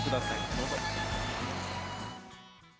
どうぞ。